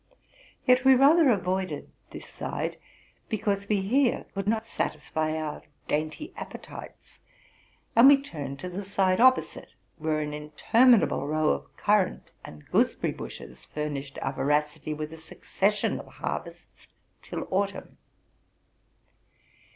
Yet we rather avoided this side, because we here could not satisfy our dainty appetites ; and we turned to the side opposite, where an interminable row of currant and gooseberry bushes furnished our voracity with a succession of harvests till autumn.